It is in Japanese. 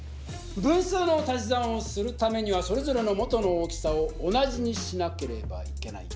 分数の足し算をするためにはそれぞれの元の大きさを同じにしなければいけない。